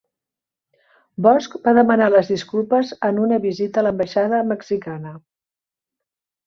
Bosch va demanar les disculpes en una visita a l'ambaixada mexicana